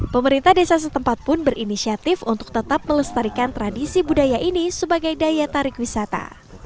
pemerintah desa setempat pun berinisiatif untuk tetap melestarikan tradisi budaya ini sebagai daya tarik wisata